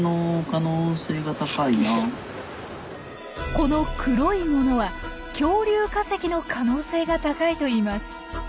この黒いものは恐竜化石の可能性が高いといいます。